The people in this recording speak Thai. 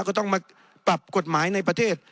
ก็ต้องมาปรับกฎหมายในประเทศ